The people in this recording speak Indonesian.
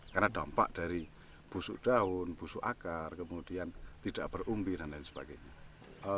karena dampak dari busuk daun busuk akar kemudian tidak berumbi dan lain sebagainya